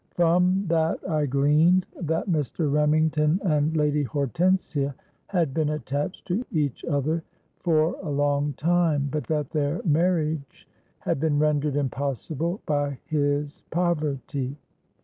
From that I gleaned that Mr. Remington and Lady Hortensia had been attached to each other for a long time; but that their marriage had been rendered impossible by his poverty.